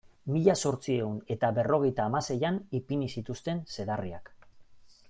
Mila zortziehun eta berrogeita hamaseian ipini zituzten zedarriak.